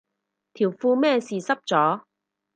條褲咩事濕咗